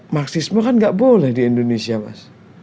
marxisme kan nggak boleh di indonesia mas